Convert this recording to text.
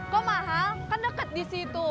kok mahal kan dekat di situ